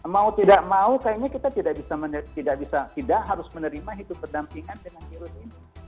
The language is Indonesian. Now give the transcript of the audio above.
mau tidak mau kayaknya kita tidak harus menerima itu perdampingan dengan virus ini